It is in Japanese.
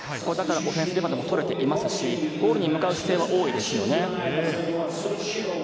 オフェンスリバウンドも取れていますし、ゴールに向かう姿勢は多いですね。